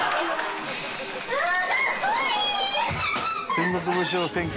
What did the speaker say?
「『戦国武将選挙』ね」